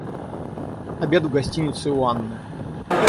Обед в гостинице у Анны.